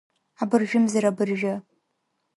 Абыржәымзар-абыржәы…